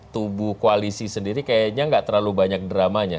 tubuh koalisi sendiri kayaknya nggak terlalu banyak dramanya